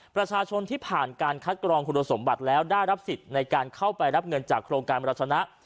ประชาชนที่ผ่านการคัดกรองคุณสมบัติแล้วได้รับสิทธิ์ในการเข้าไปรับเงินจากโครงการบรรชนะ